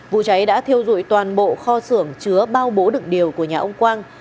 vụ cháy đã thiêu dụi toàn bộ kho sưởng chứa bao bố đựng điều của nhà ông quang